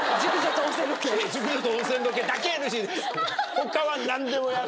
他は何でもやる。